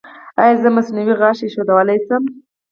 ایا زه مصنوعي غاښ ایښودلی شم؟